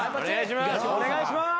お願いします。